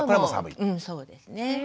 うんそうですね。